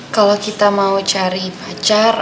kalau kita mau cari pacar